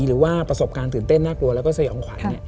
หรือว่าประสบการณ์ตื่นเต้นน่ากลัวแล้วก็สยองขวัญ